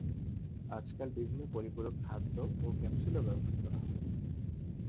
আজকাল বিভিন্ন পরিপূরক খাদ্য ও ক্যাপসুলও ব্যবহার করা হয়।